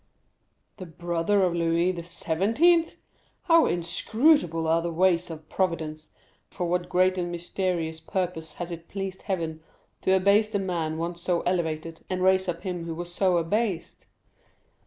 "The brother of Louis XVI.! How inscrutable are the ways of Providence—for what great and mysterious purpose has it pleased Heaven to abase the man once so elevated, and raise up him who was so abased?"